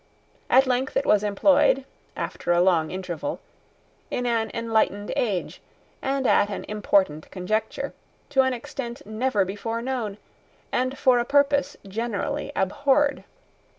At length it was employed, after a long interval, in an enlightened age, and at an important conjuncture, to an extent never before known, and for a purpose generally abhorred.